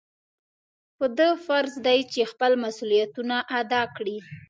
په ده فرض دی چې خپل مسؤلیتونه ادا کړي.